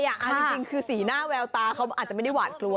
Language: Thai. เอาจริงคือสีหน้าแววตาเขาอาจจะไม่ได้หวานกลัว